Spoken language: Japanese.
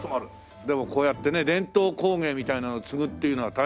でもこうやってね伝統工芸みたいなのを継ぐっていうのは大変ですよね？